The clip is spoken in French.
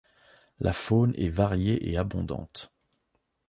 La faune est variée et abondante.